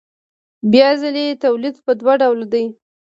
بیا ځلي تولید په دوه ډوله دی